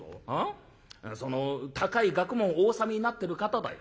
その高い学問をお修めなってる方だよ。